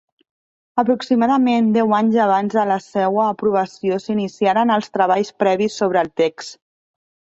Aproximadament deu anys abans de la seua aprovació s'iniciaren els treballs previs sobre el text.